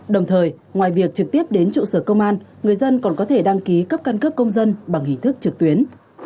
đồng thời ngoài việc trực tiếp đến trụ sở công an người dân còn có thể đăng ký cấp căn cước công dân bằng hình thức trực tuyến